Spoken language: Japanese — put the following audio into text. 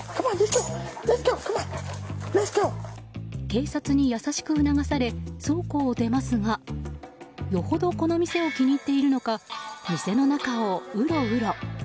警察に優しく促され倉庫を出ますがよほどこの店を気に入っているのか店の中をウロウロ。